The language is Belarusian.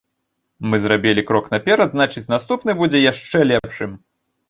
Мы зрабілі крок наперад, значыць наступны будзе яшчэ лепшым.